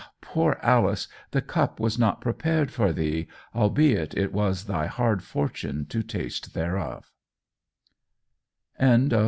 poor Alice, the cup was not prepared for thee, albeit it was thy hard fortune to taste thereof.'"